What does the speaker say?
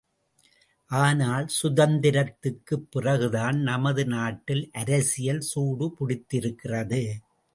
ஆனால், சுதந்தரத்துக்குப் பிறகுதான் நமது நாட்டில் அரசியல் சூடுபிடித்திருக்கிறது.